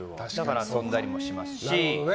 遊んだりもしますし。